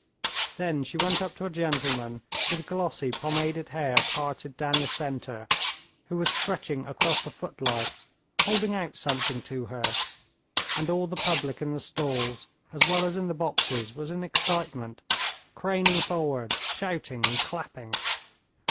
Then she went up to a gentleman with glossy pomaded hair parted down the center, who was stretching across the footlights holding out something to her, and all the public in the stalls as well as in the boxes was in excitement, craning forward, shouting and clapping.